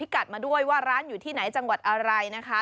กัดมาด้วยว่าร้านอยู่ที่ไหนจังหวัดอะไรนะคะ